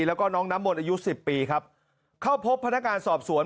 แล้วก็น้องน้ำมนต์อายุสิบปีครับเข้าพบพนักงานสอบสวน